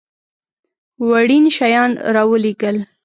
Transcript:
وړین شیان را ولېږل.